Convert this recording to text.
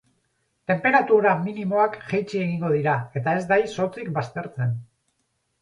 Tenperatura minimoak jaitsi egingo dira eta ez da izotzik baztertzen.